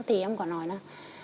thì em có nói là